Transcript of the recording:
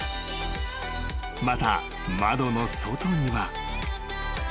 ［また窓の外には］